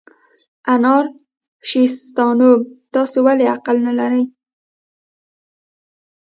انارشیستانو، تاسې ولې عقل نه لرئ؟